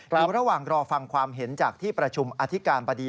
อยู่ระหว่างรอฟังความเห็นจากที่ประชุมอธิการบดี